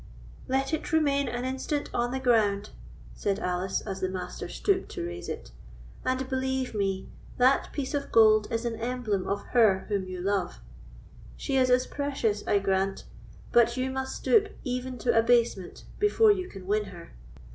"Let it remain an instant on the ground," said Alice, as the Master stooped to raise it; "and believe me, that piece of gold is an emblem of her whom you love; she is as precious, I grant, but you must stoop even to abasement before you can win her.